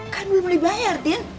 kan belum dibayar tin